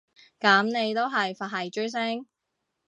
噉你都係佛系追星